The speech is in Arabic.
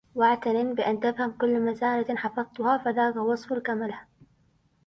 واعتنٍ بأن تفهم كل مساله حفظتها فذاك وصف الكمله